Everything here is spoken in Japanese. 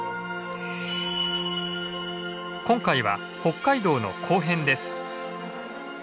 今回は北海道の後編です。